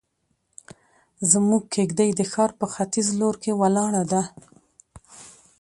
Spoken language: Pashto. زموږ کيږدۍ د ښار په ختيز لور کې ولاړه ده.